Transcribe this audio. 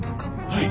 「はい。